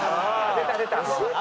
出た出た。